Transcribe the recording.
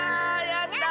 やった！